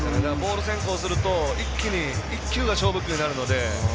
ボール先行すると１球が勝負球になるので。